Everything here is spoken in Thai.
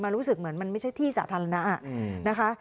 รู้สึกเหมือนมันไม่ใช่ที่สาธารณะนะคะ